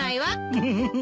ウフフフ。